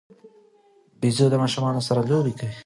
بيزو د ماشومانو سره لوبې کوي.